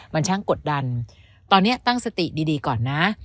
มันช่างกดดันตอนนี้ตั้งสติดีก่อนนะ